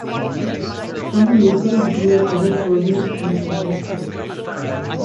Some locals grow other produce on a small scale.